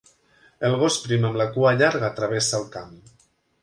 El gos prim amb la cua llarga travessa el camp.